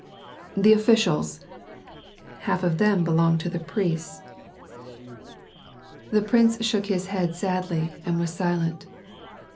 "The officials " "Half of them belong to the priests." The prince shook his head sadly, and was silent.